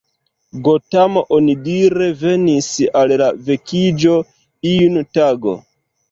Gotamo onidire venis al la vekiĝo iun tago.